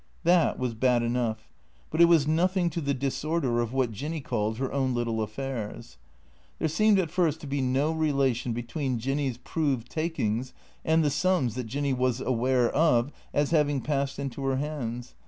That was bad enough. But it was nothing to the disorder of what Jinny called her own little affairs. There seemed at first to be no relation between Jinny's proved takings and the sums that Jinny was aware of as having passed into her hands.